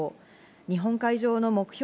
日本海上の目標